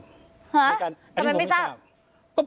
ทำไมไม่ทราบ